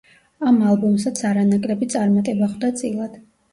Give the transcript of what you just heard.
ამ ალბომსაც არანაკლები წარმატება ხვდა წილად.